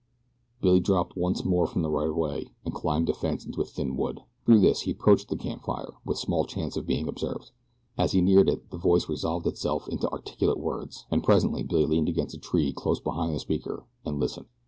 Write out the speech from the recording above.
Billy dropped once more from the right of way, and climbed a fence into a thin wood. Through this he approached the camp fire with small chance of being observed. As he neared it the voice resolved itself into articulate words, and presently Billy leaned against a tree close behind the speaker and listened.